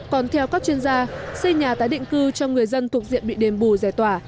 còn theo các chuyên gia xây nhà tái định cư cho người dân thuộc diện bị đền bù giải tỏa